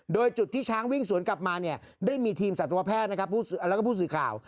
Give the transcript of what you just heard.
โดยจุดที่ช้างวิ่งศวนกลับมาได้มีทีมสัตวแพทย์และผู้สื่อข่าว